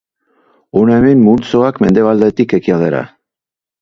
Hona hemen multzoak mendebaldetik ekialdera.